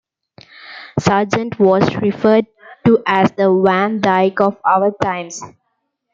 Sargent was referred to as the Van Dyck of our times.